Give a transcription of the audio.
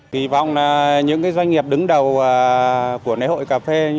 kỳ vọng là những doanh nghiệp đứng đầu của lễ hội cà phê